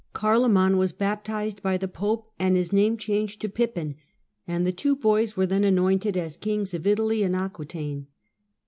Carloman was baptised by the Pope and his name changed to Pippin ; and the two boys were then anointed as Kings of Italy and Aquetaine.